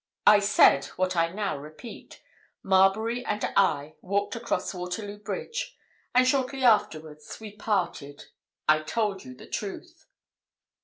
"I said what I now repeat—Marbury and I walked across Waterloo Bridge, and shortly afterwards we parted. I told you the truth."